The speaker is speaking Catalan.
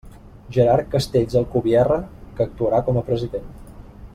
Gerard Castells Alcubierre, que actuarà com a president.